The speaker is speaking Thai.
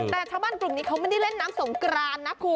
แต่ชาวบ้านกลุ่มนี้เขาไม่ได้เล่นน้ำสงกรานนะคุณ